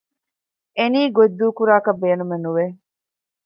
އެނީ ގޮތްދޫކުރާކަށް ބޭނުމެއް ނުވެ